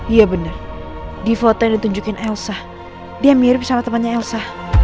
iya benar di foto yang ditunjukin elsa dia mirip sama temannya elsa